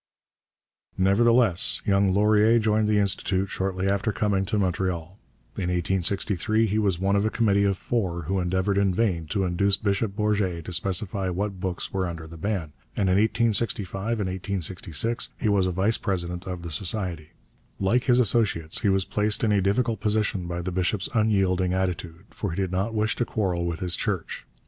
Nevertheless young Laurier joined the Institut shortly after coming to Montreal. In 1863 he was one of a committee of four who endeavoured in vain to induce Bishop Bourget to specify what books were under the ban, and in 1865 and 1866 he was a vice president of the society. Like his associates, he was placed in a difficult position by the bishop's unyielding attitude, for he did not wish to quarrel with his Church.